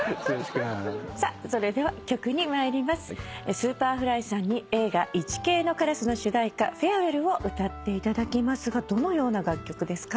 Ｓｕｐｅｒｆｌｙさんに映画『イチケイのカラス』の主題歌『Ｆａｒｅｗｅｌｌ』を歌っていただきますがどのような楽曲ですか？